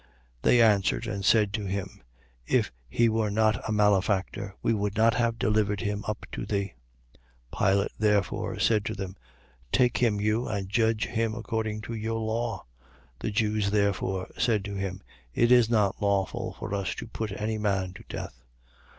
18:30. They answered and said to him: If he were not a malefactor, we would not have delivered him up to thee. 18:31. Pilate therefore said to them: Take him you, and judge him according to your law. The Jews therefore said to him: It is not lawful for us to put any man to death.